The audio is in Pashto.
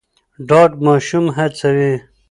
ډاډ ماشوم هڅوي.